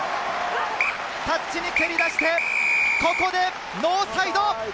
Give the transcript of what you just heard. タッチに蹴り出して、ここでノーサイド！